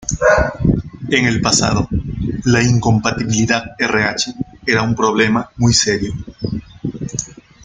En el pasado, la incompatibilidad Rh era un problema muy serio.